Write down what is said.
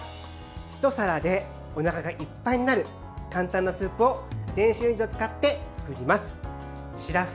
ひと皿でおなかがいっぱいになる簡単なスープを電子レンジを使って作ります。